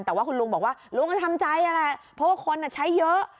แต่ว่าคุณลุงบอกว่าลุงก็ทำใจนั่นแหละเพราะว่าคนใช้เยอะ